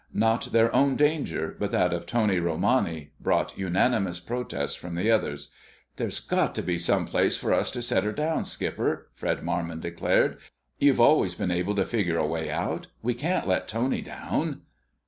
Not their own danger but that of Tony Romani, brought unanimous protest from the others. "There's got to be some place for us to set her down, Skipper," Fred Marmon declared. "You've always been able to figure a way out. We can't let Tony down."